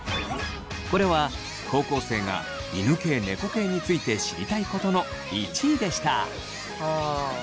これは高校生が犬系・猫系について知りたいことの１位でした。